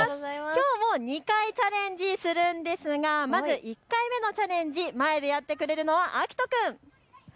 きょうも２回、チャレンジするんですがまず１回目のチャレンジ、前でやってくれるのはあきと君。